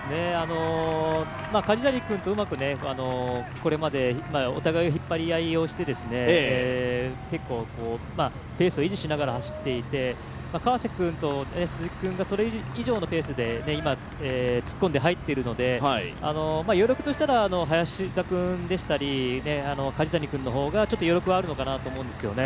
梶谷君とうまくこれまでお互いを引っ張り合いをして結構ペースを維持しながら走っていて川瀬君と鈴木君がそれ以上のペースで今、突っ込んで入っているので余力としたら林田君でしたり梶谷君の方がちょっと余力があるのかなと思うんですね。